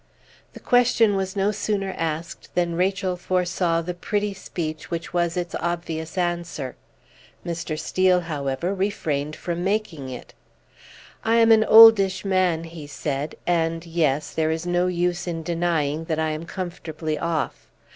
The question was no sooner asked than Rachel foresaw the pretty speech which was its obvious answer. Mr. Steel, however, refrained from making it. "I am an oldish man," he said, "and yes, there is no use in denying that I am comfortably off.